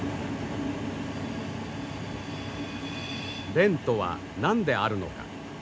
練とは何であるのか。